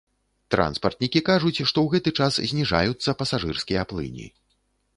Транспартнікі кажуць, што ў гэты час зніжаюцца пасажырскія плыні.